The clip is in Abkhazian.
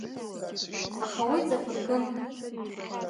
Аха уи ҵабыргын.